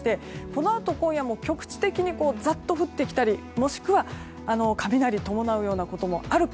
このあと今夜も局地的にざっと降ってきたりもしくは雷を伴うようなこともある